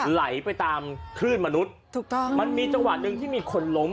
ไหลไปตามคลื่นมนุษย์ถูกต้องมันมีจังหวะหนึ่งที่มีคนล้ม